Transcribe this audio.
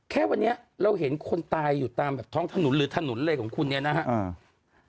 แค่วันนี้เราเห็นคนตายอยู่ตามแบบท้องถนนหรือถนนอะไรของคุณเนี่ยนะครับ